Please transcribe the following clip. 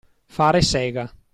Fare sega.